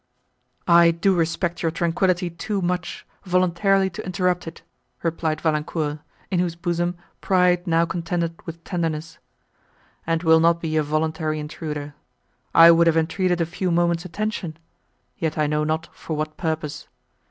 "I do respect your tranquillity too much, voluntarily to interrupt it," replied Valancourt, in whose bosom pride now contended with tenderness; "and will not be a voluntary intruder. I would have entreated a few moments attention—yet I know not for what purpose.